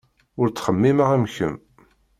Ur ttxemmimeɣ am kemm.